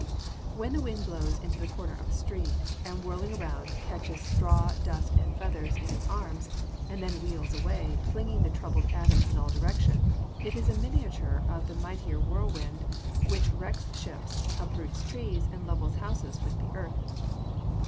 When the wind blows into the corner of a street, and whirling around, catches straw, dust, and feathers in its arms, and then wheels away, flinging the troubled atoms in all directions, it is a miniature of the mightier whirlwind, which wrecks ships, uproots trees, and levels houses with the earth.